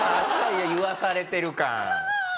言わされてる感。